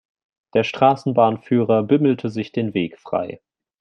Der Straßenbahnführer bimmelte sich den Weg frei.